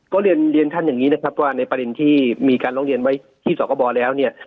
ก็เรียนเรียนท่านอย่างนี้นะครับว่าในประเด็นที่มีการร้องเรียนไว้ที่สกบแล้วเนี่ย